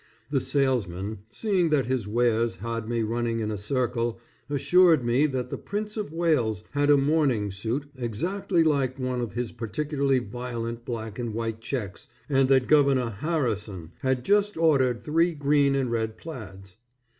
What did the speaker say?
The salesman, seeing that his wares had me running in a circle, assured me that the Prince of Wales had a morning suit exactly like one of his particularly violent black and white checks and that Governor Harrison had just ordered three green and red plaids.